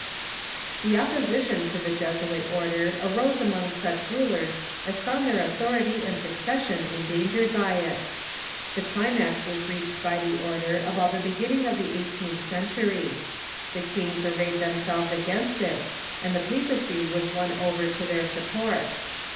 The opposition to the Jesuit order arose among such rulers as found their authority and succession endangered by it. The climax was reached by the order about the begin Opposition lo j^jj q£ ^^q eighteenth century. The kings arrayed the Jesuits ^^..•' o j themselves against it, and the papacy was won over to their support.